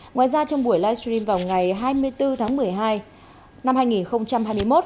ngoài ra trong buổi live stream vào ngày hai mươi bốn tháng một mươi hai năm hai nghìn hai